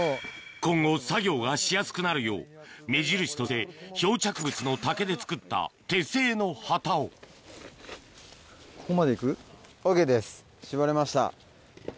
今後作業がしやすくなるよう目印として漂着物の竹で作った手製の旗をここまで行く？ＯＫです。